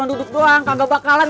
yang mana yg mau lewat ini